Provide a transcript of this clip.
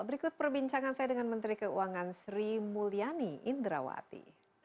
berikut perbincangan saya dengan menteri keuangan sri mulyani indrawati